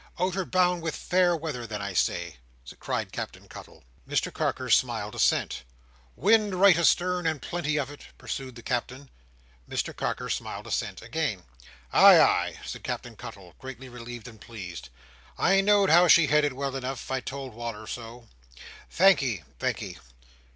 "Out'ard bound with fair weather, then, I say," cried Captain Cuttle. Mr Carker smiled assent. "Wind right astarn, and plenty of it," pursued the Captain. Mr Carker smiled assent again. "Ay, ay!" said Captain Cuttle, greatly relieved and pleased. "I know'd how she headed, well enough; I told Wal"r so. Thank'ee, thank'ee."